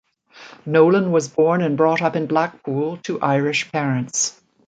Nolan was born and brought up in Blackpool to Irish parents.